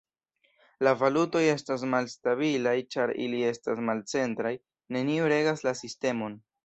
La valutoj estas malstabilaj ĉar ili estas malcentraj, neniu regas la sistemon.